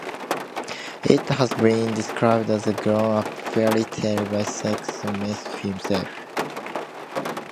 It has been described as a "grown up fairy tail" by Sexsmith himself.